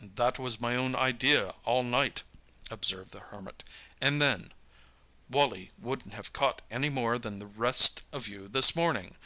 "That was my own idea all that night," observed the Hermit; "and then Wally wouldn't have caught any more than the rest of you this morning!